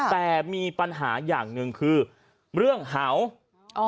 แต่มีปัญหาอย่างหนึ่งคือเรื่องเห่าอ๋อ